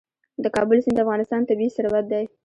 د کابل سیند د افغانستان طبعي ثروت دی.